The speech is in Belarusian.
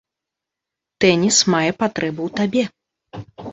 Тэніс мае патрэбу ў табе.